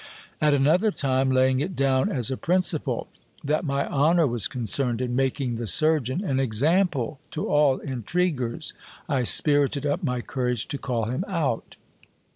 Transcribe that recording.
At an other time, laying it down as a principle, that my honour was concerned in making the surgeon an example to all intriguers, I spirited up my courage to call him out.